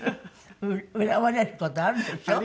恨まれる事あるでしょ？